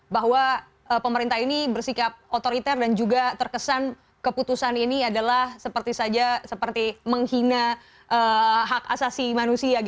bahwa pemerintah ini bersikap otoriter dan juga terkesan keputusan ini adalah seperti saja seperti menghina hak asasi manusia